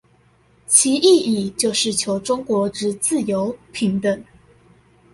其意義就是求中國之自由平等